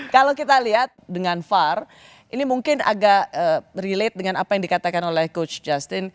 kalau kita lihat dengan var ini mungkin agak relate dengan apa yang dikatakan oleh coach justin